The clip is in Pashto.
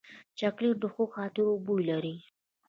چاکلېټ د ښو خاطرو بوی لري.